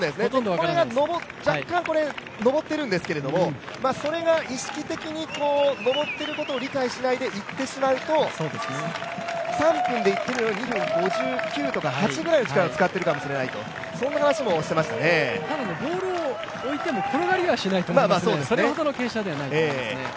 これが若干上ってるんですけどもそれが意識的に上っていることを理解しないでいってしまうと、３分でいけるところを２分５９とか５８ぐらいの力を使ってるかもしれない、ボールを置いても、転がりはしないんですね、それほどの傾斜ではないです。